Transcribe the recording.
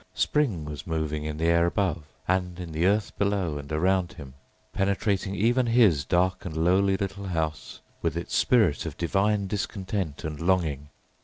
Spring was moving in the air above and in the earth below and around him, penetrating even his dark and lowly little house with its spirit of divine discontent and longing.